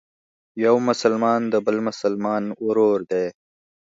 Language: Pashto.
یو مسلمان د بل مسلمان ورور دی.